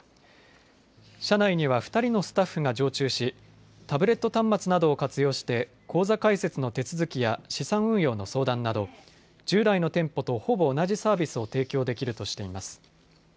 車内には２人のスタッフが常駐しタブレット端末などを活用して口座開設の手続きや資産運用の相談など従来の店舗とほぼ同じサービスを提供できるとしています。